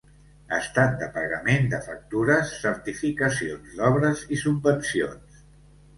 Estat de pagament de factures, certificacions d'obres i subvencions.